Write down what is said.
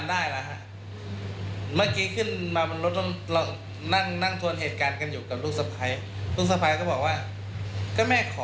ไปคุยถึงบ้านเขามียายมีย่านมีป้า